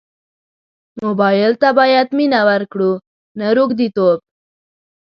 موبایل ته باید مینه ورکړو نه روږديتوب.